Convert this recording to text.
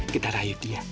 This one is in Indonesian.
kita rayu dia